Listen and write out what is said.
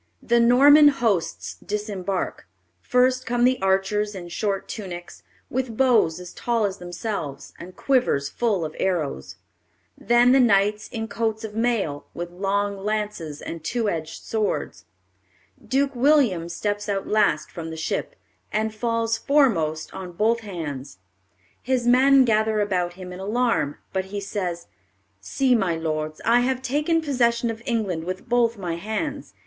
The Norman hosts disembark; first come the archers in short tunics, with bows as tall as themselves and quivers full of arrows; then the knights in coats of mail, with long lances and two edged swords; Duke William steps out last from the ship, and falls foremost on both hands. His men gather about him in alarm, but he says, "See, my lords, I have taken possession of England with both my hands.